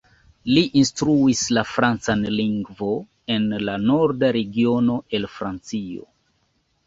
Li instruis la francan lingvo en la norda regiono el Francio.